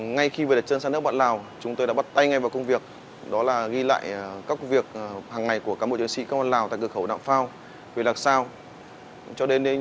ngay khi về đặt chân sang nước bạn lào chúng tôi đã bắt tay ngay vào công việc đó là ghi lại các việc hằng ngày của cán bộ chiến sĩ công an lào tại cửa khẩu đạo phao về lạc sao